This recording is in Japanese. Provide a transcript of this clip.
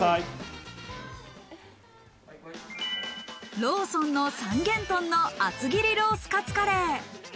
ローソンの「三元豚の厚切りロースカツカレー」。